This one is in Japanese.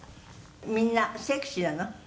「みんなセクシーなの？」